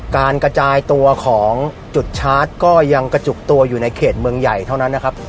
การกระจายตัวของจุดชาร์จก็ยังกระจุกตัวอยู่ในเขตเมืองใหญ่เท่านั้นนะครับ